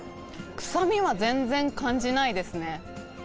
臭みは全然感じないですね。